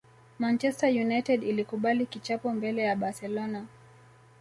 Manchester United ilikubali kichapo mbele ya barcelona